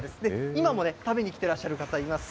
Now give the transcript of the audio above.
今もね、食べに来てらっしゃる方、います。